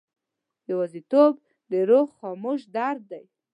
یوازیتوب د روح خاموش درد دی.